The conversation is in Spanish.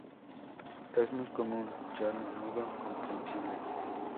Es muy común ya menudo compresible.